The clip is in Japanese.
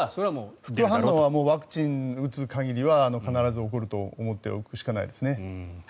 副反応はワクチンを打つ限りは必ず起こると思っておくしかないですね。